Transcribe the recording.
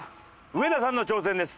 上田さんの挑戦です。